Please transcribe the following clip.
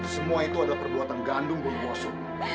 semua itu adalah perbuatan gandum bunuh waso